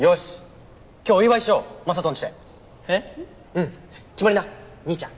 うん決まりな兄ちゃん